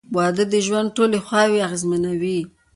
• واده د ژوند ټولې خواوې اغېزمنوي.